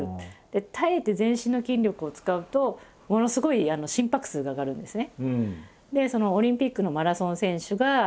耐えて全身の筋力を使うとものすごい心拍数が上がるんですね。